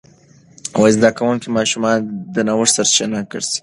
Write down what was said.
زده کوونکي ماشومان د نوښت سرچینه ګرځي.